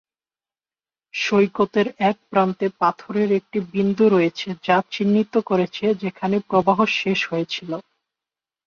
সৈকতের এক প্রান্তে পাথরের একটি বিন্দু রয়েছে যা চিহ্নিত করেছে যেখানে প্রবাহ শেষ হয়েছিল।